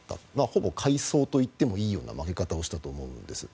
ほぼ潰走といってもいいような負け方をしたと思うんです。